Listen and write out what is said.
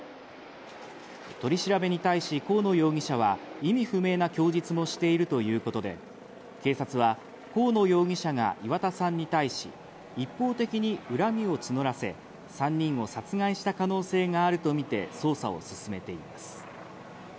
取り調べに対し河野容疑者は、意味不明な供述もしているということで、警察は河野容疑者が岩田さんに対し、一方的に恨みを募らせ、３人を殺害した可能性があるとみて捜査を進めています。